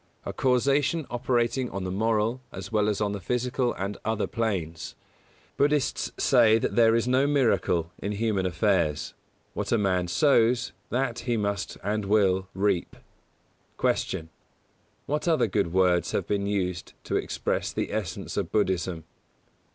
A causation operating on the moral, as well as on the physical and other planes. Buddhists say there is no miracle in human affairs: what a man sows that he must and will reap. 173. Q. _What other good words have been used to express the essence of Buddhism?